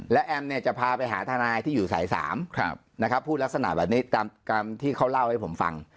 และแอมเนี่ยจะพาไปหาทนายที่อยู่สาย๓นะครับพูดลักษณะแบบนี้ตามที่เขาเล่าให้ผมฟัง